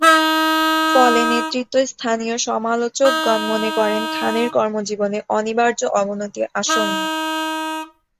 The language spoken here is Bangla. ফলে নেতৃত্বস্থানীয় সমালোচকগণ মনে করেন খানের কর্মজীবনে অনিবার্য অবনতি আসন্ন।